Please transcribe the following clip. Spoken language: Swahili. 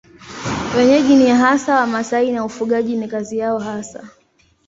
Wenyeji ni hasa Wamasai na ufugaji ni kazi yao hasa.